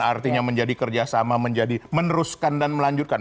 artinya menjadi kerjasama menjadi meneruskan dan melanjutkan